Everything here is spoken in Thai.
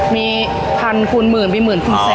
มีพันครึ่งหมื่นปีหมื่นพิมพ์แสน